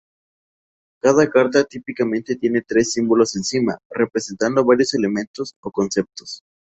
Cada carta típicamente tiene tres símbolos encima, representando varios elementos o conceptos.